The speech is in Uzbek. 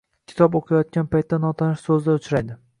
Kitob o‘qiyotgan paytda notanish so‘zlar uchraydi.